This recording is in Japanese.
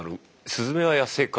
スズメは野生か。